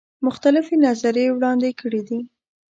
مختلفي نظریې وړاندي کړي دي.